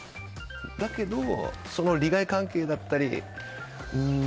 だけど、利害関係だったり。